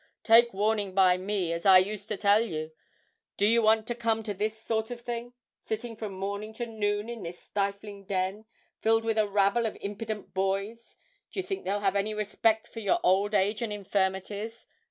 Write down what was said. Take warning by me, as I used to tell you do you want to come to this sort of thing? sitting from morning to noon in this stifling den, filled with a rabble of impident boys d'ye think they'll have any respect for your old age and infirmities?